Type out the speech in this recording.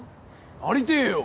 なりてえよ！